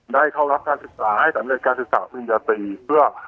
ได้เข้ารับการศึกษาให้ตำรวจการศึกษาพื้นญาติเพื่อ